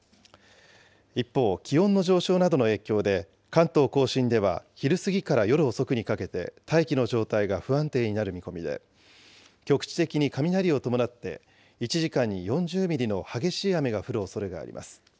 一方、気温の上昇などの影響で、関東甲信では昼過ぎから夜遅くにかけて、大気の状態が不安定になる見込みで、局地的に雷を伴って、１時間に４０ミリの激しい雨が降るおそれがあります。